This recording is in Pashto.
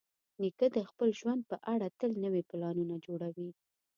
نیکه د خپل ژوند په اړه تل نوي پلانونه جوړوي.